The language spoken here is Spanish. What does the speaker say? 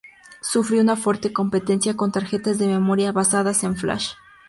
Sufrió una fuerte competencia con tarjetas de memoria basadas en flash.